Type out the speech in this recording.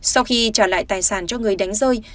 sau khi trả lại tài sản cho người đánh rơi